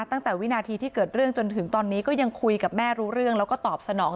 ตั้งแต่วินาทีที่เกิดเรื่องจนถึงตอนนี้ก็ยังคุยกับแม่รู้เรื่องแล้วก็ตอบสนอง